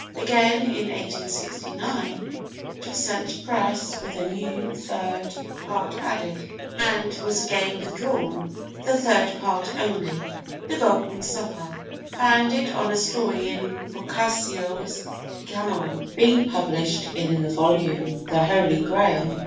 Again, in 1869, it was sent to press with a new third part added, and was again withdrawn, the third part only 'The Golden Supper,' founded on a story in Boccaccio's Decameron being published in the volume, 'The Holy Grail.'